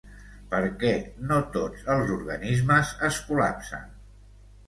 Per què no tots els organismes es col·lapsen?